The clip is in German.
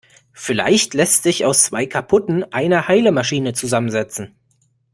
Vielleicht lässt sich aus zwei kaputten eine heile Maschine zusammensetzen.